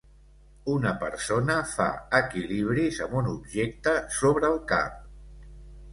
Una persona fa equilibris amb un objecte sobre el cap.